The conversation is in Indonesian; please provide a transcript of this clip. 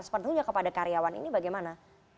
sepenuhnya kepada karyawan ini bagaimana